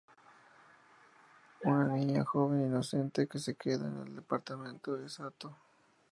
Una niña joven inocente que se queda en el departamento de Satō.